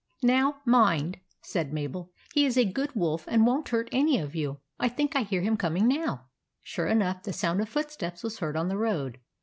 " Now, mind," said Mabel ;" he is a Good Wolf, and won't hurt any of you. I think I hear him coming now." Sure enough, the sound of footsteps was heard on the road.